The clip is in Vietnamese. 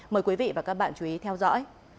mời quý vị và các bạn chú ý theo dõi